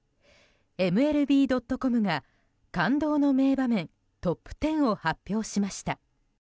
ＭＬＢ．ｃｏｍが感動の名場面トップ１０を発表しました。